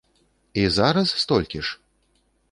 І зараз столькі ж?